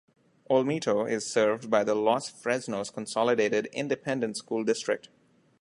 Olmito is served by the Los Fresnos Consolidated Independent School District.